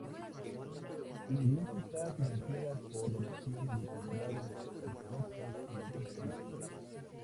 La iglesia está financiada por donaciones de comunidades ortodoxas de otros países.